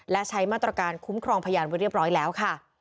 และใช้มาตรการคุ้มครองพยานไว้เรียบร้อยแล้วค่ะ